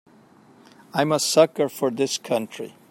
I'm a sucker for this country.